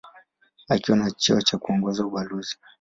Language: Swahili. Akiwa na cheo cha kuongoza ubalozi.